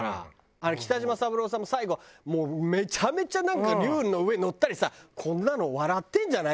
あれ北島三郎さんも最後もうめちゃめちゃなんか龍の上に乗ったりさこんなの笑ってんじゃない？